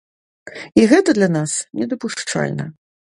І гэта для нас недапушчальна!